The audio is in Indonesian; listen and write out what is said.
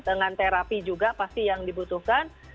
dengan terapi juga pasti yang dibutuhkan